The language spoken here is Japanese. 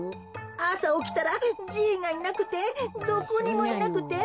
あさおきたらじいがいなくてどこにもいなくて。